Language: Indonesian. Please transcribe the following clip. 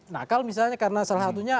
nakal misalnya karena salah satunya